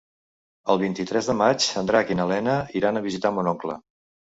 El vint-i-tres de maig en Drac i na Lena iran a visitar mon oncle.